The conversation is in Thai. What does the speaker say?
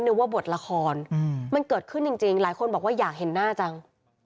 ว่าบทละครมันเกิดขึ้นจริงหลายคนบอกว่าอยากเห็นหน้าจัง